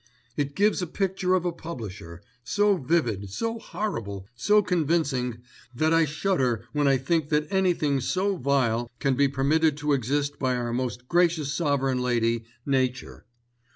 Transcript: "It gives a picture of a publisher, so vivid, so horrible, so convincing, that I shudder when I think that anything so vile can be permitted to exist by our most gracious sovereign lady, Nature.